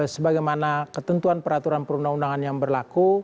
sebagaimana ketentuan peraturan perundang undangan yang berlaku